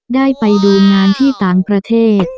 ได้ไปดูงานที่ต่างประเทศ